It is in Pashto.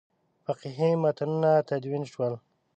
فقهي متنونه تدوین شول.